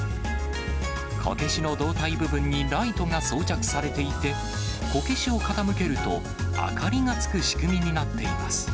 こけしの胴体部分にライトが装着されていて、こけしを傾けると、明かりがつく仕組みになっています。